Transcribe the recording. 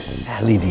makan aja dulu